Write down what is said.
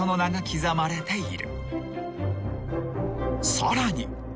［さらに］